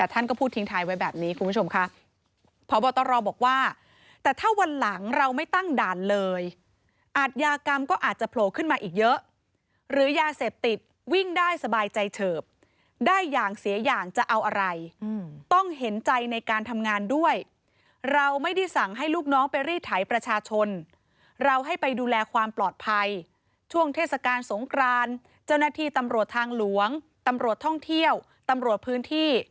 ท่านก็พูดทิ้งท้ายไว้แบบนี้คุณผู้ชมค่ะพบตรบอกว่าแต่ถ้าวันหลังเราไม่ตั้งด่านเลยอาทยากรรมก็อาจจะโผล่ขึ้นมาอีกเยอะหรือยาเสพติดวิ่งได้สบายใจเฉิบได้อย่างเสียอย่างจะเอาอะไรต้องเห็นใจในการทำงานด้วยเราไม่ได้สั่งให้ลูกน้องไปรีดไถประชาชนเราให้ไปดูแลความปลอดภัยช่วงเทศกาลสงครานเจ้าหน้าที่ตำรวจทางหลวงตำรวจท่องเที่ยวตำรวจพื้นที่